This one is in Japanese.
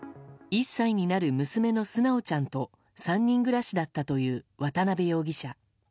１歳になる娘の純ちゃんと３人暮らしだったという渡辺容疑者。